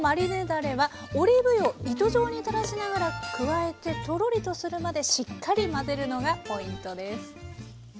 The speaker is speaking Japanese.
だれはオリーブ油を糸状に垂らしながら加えてトロリとするまでしっかり混ぜるのがポイントです。